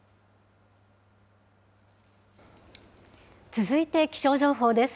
続いて気象情報です。